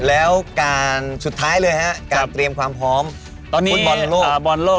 แล้วการสุดท้ายเลยฮะการเตรียมความพร้อมตอนนี้ฟุตบอลโลกบอลโลก